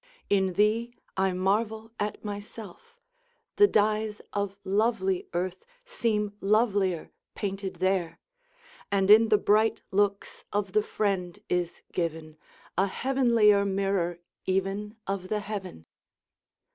In thee I marvel at myself the dyes Of lovely earth seem lovelier painted there, And in the bright looks of the friend is given A heavenlier mirror even of the heaven!